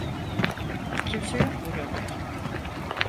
Kimse yok burada.